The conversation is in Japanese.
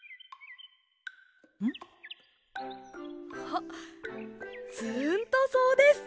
あっつーんとそうです！